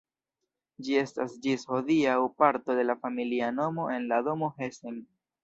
Ĝi estas ĝis hodiaŭ parto de la familia nomo en la domo Hessen.